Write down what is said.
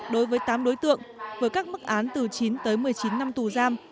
đối với tám đối tượng với các mức án từ chín tới một mươi chín năm tù giam